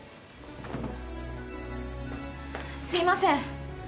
すいません。